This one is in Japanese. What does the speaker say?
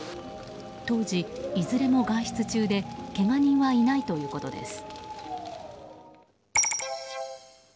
当時、いずれも外出中でけが人はいないということです。